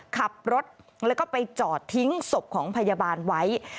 ขับรถแล้วก็ไปจอดทิ้งศพของพยาบาลไว้